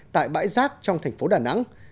tại bãi rác trong thành phố đà nẵng